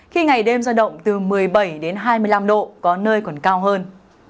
khi ngày đêm ra động từ một mươi bảy đến hai mươi năm độ có nơi còn cao hơn